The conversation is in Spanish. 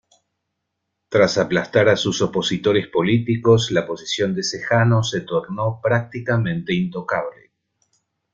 Tras aplastar a sus opositores políticos, la posición de Sejano se tornó prácticamente intocable.